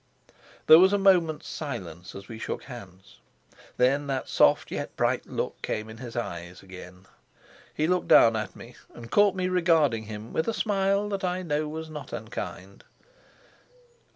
There was a moment's silence as we shook hands. Then that soft yet bright look came in his eyes again. He looked down at me, and caught me regarding him with a smile that I know was not unkind.